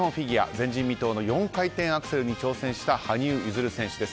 前人未到の４回転アクセルに挑戦した羽生結弦選手です。